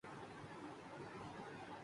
پھر یہ ہنگامہ آرائی کیا ہے؟